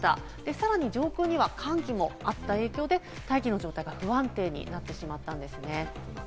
さらに上空には寒気もあった影響で大気の状態が不安定になってしまったんですね。